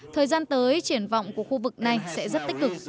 thời gian tới triển vọng của khu vực này sẽ rất tích cực